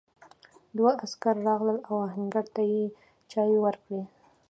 دوه عسکر راغلل او آهنګر ته یې چای ورکړ.